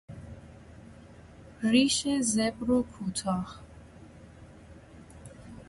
ریش زبر و کوتاه